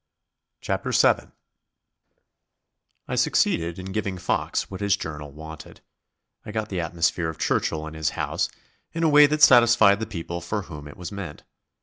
CHAPTER SEVEN I succeeded in giving Fox what his journal wanted; I got the atmosphere of Churchill and his house, in a way that satisfied the people for whom it was meant.